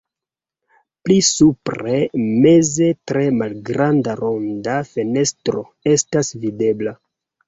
Pli supre meze tre malgranda ronda fenestro estas videbla.